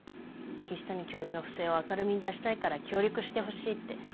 岸谷教授の不正を明るみに出したいから協力してほしいって。